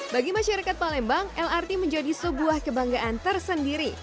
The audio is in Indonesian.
bagi masyarakat palembang lrt menjadi sebuah kebanggaan tersendiri